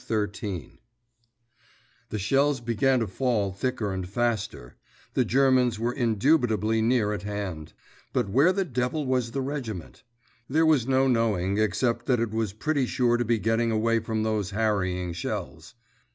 XIII The shells began to fall thicker and faster; the Germans were indubitably near at hand. But where the devil was the regiment? There was no knowing, except that it was pretty sure to be getting away from those harrying shells.